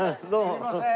すいません。